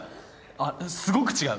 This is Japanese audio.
あっすごく違う。